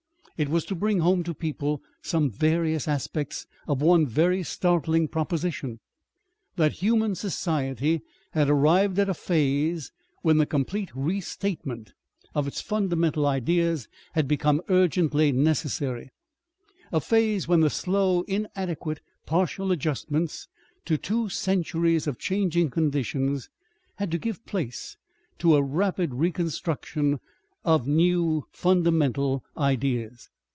It was to bring home to people some various aspects of one very startling proposition: that human society had arrived at a phase when the complete restatement of its fundamental ideas had become urgently necessary, a phase when the slow, inadequate, partial adjustments to two centuries of changing conditions had to give place to a rapid reconstruction of new fundamental ideas.